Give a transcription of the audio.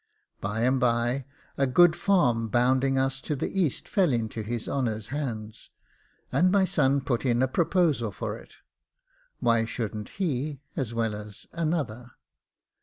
By and by a good farm bounding us to the east fell into his honour's hands, and my son put in a proposal for it: why shouldn't he, as well as another?